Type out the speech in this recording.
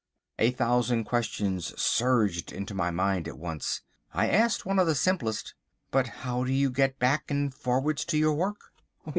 A thousand questions surged into my mind at once. I asked one of the simplest. "But how do you get back and forwards to your work?"